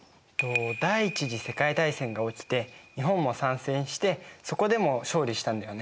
第一次世界大戦が起きて日本も参戦してそこでも勝利したんだよね。